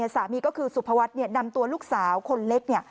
สามีก็คือสุภวัฒน์นำตัวลูกสาวคนเล็ก